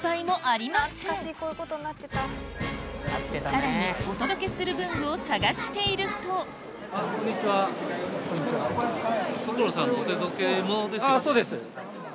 さらにお届けする文具を探しているとあっそうです。